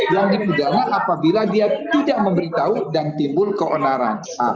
yang dipidana apabila dia tidak memberitahu dan timbul keonaran